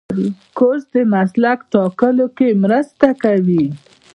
کورس د مسلک ټاکلو کې مرسته کوي.